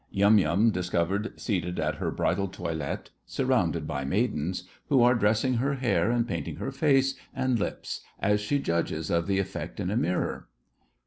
Yum Yum discovered seated at her bridal toilet, surrounded by maidens, who are dressing her hair and painting her face and lips, as she judges of the effect in a mirror.